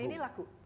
dan ini laku